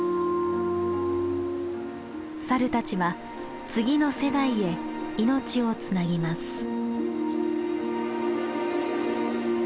サルたちは次の世代へ命をつなぎます。